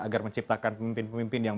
agar menciptakan pemimpin pemimpin yang